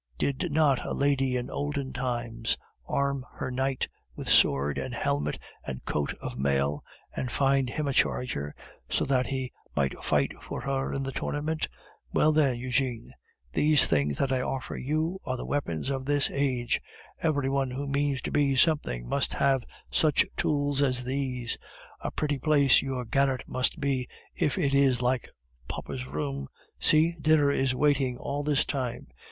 Did not a lady in olden times arm her knight with sword and helmet and coat of mail, and find him a charger, so that he might fight for her in the tournament? Well, then, Eugene, these things that I offer you are the weapons of this age; every one who means to be something must have such tools as these. A pretty place your garret must be if it is like papa's room! See, dinner is waiting all this time.